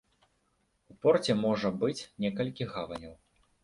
У порце можа быць некалькі гаваняў.